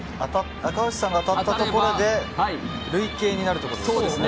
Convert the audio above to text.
赤星さんが当たったところで累計になるっていうことですね。